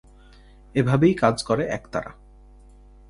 এভাবেই কাজ করে একতারা।